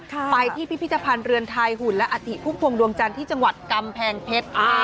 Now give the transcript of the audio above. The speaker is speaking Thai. ไปที่พิจารณ์เรือนไทยหุ่นและอาถิภูมิภูมิภูมิดวงจันทร์ที่จังหวัดกำแพงเพชร